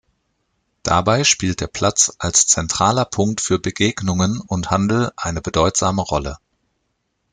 Dabei spielt der Platz als zentraler Punkt für Begegnungen und Handel eine bedeutsame Rolle.